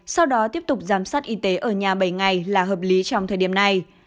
sau đó tiếp tục giám sát y tế ở nhà bảy ngày là hợp lý trong thời điểm này